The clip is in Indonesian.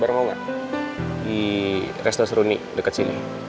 kalau gue buat perbuatan gue